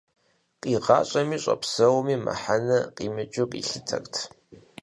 Къигъащӏэми щӏэпсэуми мыхьэнэ къимыкӏыу къилъытэрт.